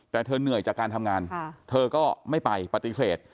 แต่เธอเหนื่อยจากการทำงานเธอก็ไม่ไปปฏิเสธ